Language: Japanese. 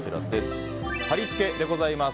貼り付けでございます。